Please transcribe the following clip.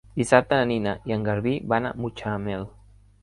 Dissabte na Nina i en Garbí van a Mutxamel.